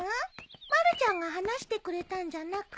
まるちゃんが話してくれたんじゃなくってね